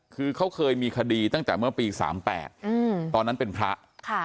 คือเขาเคยมีคดีตั้งจากเมื่อปีสามแปดอืมตอนนั้นเป็นพระค่ะ